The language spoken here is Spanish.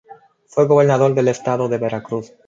Fue gobernador del estado de Veracruz.